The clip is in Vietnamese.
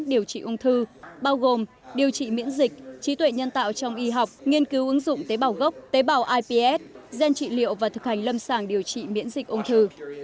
điều trị ung thư bao gồm điều trị miễn dịch trí tuệ nhân tạo trong y học nghiên cứu ứng dụng tế bào gốc tế bào ips gen trị liệu và thực hành lâm sàng điều trị miễn dịch ung thư